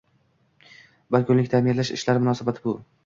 Bir kunlik taʼmirlash ishlari munosabati bu